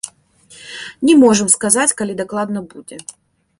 Не можам сказаць, калі дакладна будзе.